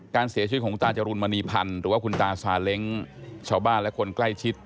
การเสียชีวิตของคุณตาจรุลมณีพันธ์หรือว่าคุณตาซาเล้งชาวบ้านและคนใกล้ชิด